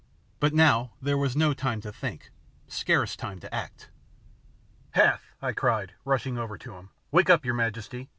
But now there was no time to think, scarce time to act. "Hath!" I cried, rushing over to him, "wake up, your majesty.